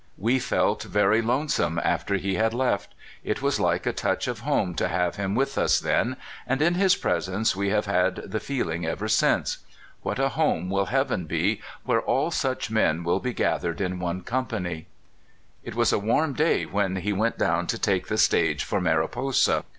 We felt very lone some after he had left. It was like a touch of home to have him with us then, and in his presence we have had the feeling ever since. What a home will heaven be where all such men will be gath ered in one company! It was a warm day w^hen he went down to take the stage for Mariposa.